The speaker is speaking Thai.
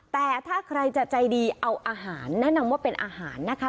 แต่ถ้าใครจะใจดีเอาอาหารแนะนำว่าเป็นอาหารนะคะ